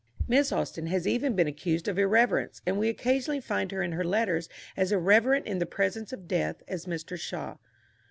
Miss Austen has even been accused of irreverence, and we occasionally find her in her letters as irreverent in the presence of death as Mr. Shaw.